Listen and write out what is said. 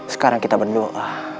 sekarang kita berdoa